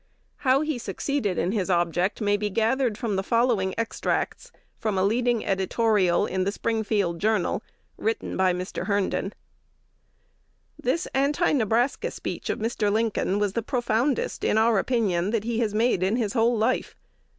How he succeeded in his object may be gathered from the following extracts from a leading editorial in "The Springfield Journal," written by Mr. Herndon: "This Anti Nebraska speech of Mr. Lincoln was the profoundest, in our opinion, that he has made in his whole life.